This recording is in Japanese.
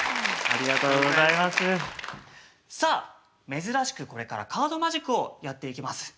さあ珍しくこれからカードマジックをやっていきます。